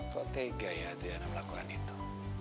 kau tegay adriana melakukan itu